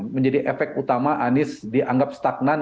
menjadi efek utama anies dianggap stagnan